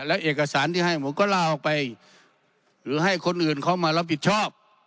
แล้วเอกสารที่ให้ผมก็ล่าออกไปหรือให้คนอื่นเขามารับผิดชอบ